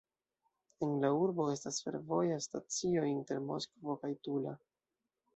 En la urbo estas fervoja stacio inter Moskvo kaj Tula.